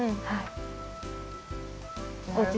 はい。